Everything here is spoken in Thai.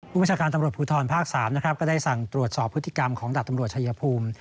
ประชาการตำรวจภูทรภาค๓นะครับก็ได้สั่งตรวจสอบพฤติกรรมของดาบตำรวจชายภูมิ